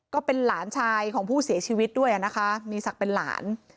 ก็เป็นหลานชายของผู้เสียชีวิตด้วยนะคะมีศักดิ์เป็นหลาน